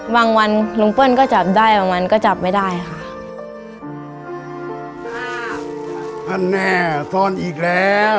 บางวันลุงเปิ้ลก็จับได้บางวันก็จับไม่ได้ค่ะ